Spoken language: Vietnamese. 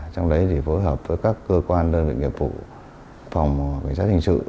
trong đấy thì phối hợp với các cơ quan đơn vị nghiệp vụ phòng cảnh sát hình sự